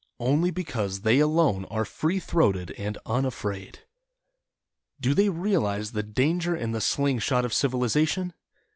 Only because they alone are free throated and un afraid. Do they realize the danger in the sling shot of civilization?